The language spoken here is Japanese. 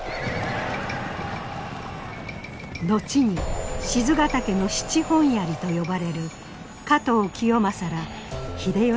後に賤ヶ岳の七本槍と呼ばれる加藤清正ら秀吉